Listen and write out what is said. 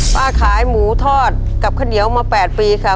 ป้าขายหมูทอดกับข้าวเหนียวมา๘ปีค่ะ